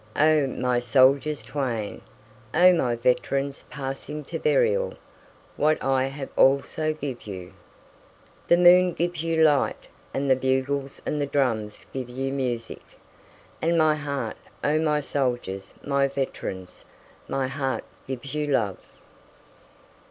O my soldiers twain! O my veterans, passing to burial! What I have I also give you.9The moon gives you light, And the bugles and the drums give you music; And my heart, O my soldiers, my veterans, My heart gives you love.